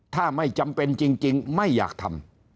ถ้าไม่จำเป็นจริงไม่อยากทำ